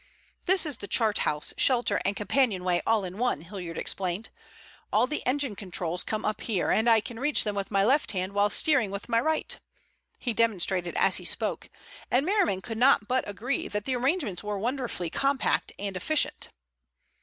"This is the chart house, shelter, and companion way all in one," Hilliard explained. "All the engine controls come up here, and I can reach them with my left hand while steering with my right." He demonstrated as he spoke, and Merriman could not but agree that the arrangements were wonderfully compact and efficient.